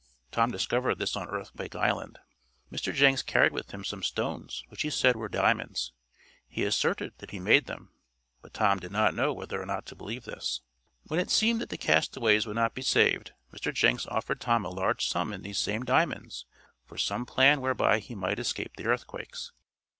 Tom discovered this on Earthquake Island. Mr. Jenks carried with him some stones which he said were diamonds. He asserted that he had made them, but Tom did not know whether or not to believe this. When it seemed that the castaways would not be saved Mr. Jenks offered Tom a large sum in these same diamonds for some plan whereby he might escape the earthquakes.